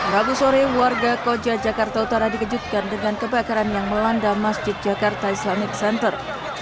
rabu sore warga koja jakarta utara dikejutkan dengan kebakaran yang melanda masjid jakarta islamic center